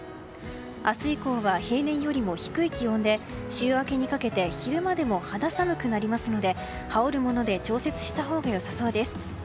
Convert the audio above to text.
明日以降は平年よりも低い気温で週明けにかけて昼間でも肌寒くなりますので羽織るもので調節したほうが良さそうです。